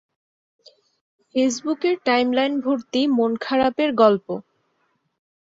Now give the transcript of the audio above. ফেসবুকের টাইমলাইনভর্তি মন খারাপের গল্প।